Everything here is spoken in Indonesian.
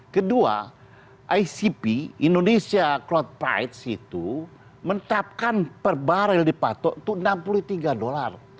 kedua icp indonesia cloud prides itu menetapkan per barrel dipatok itu enam puluh tiga dolar